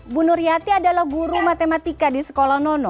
bu nuryati adalah guru matematika di sekolah nono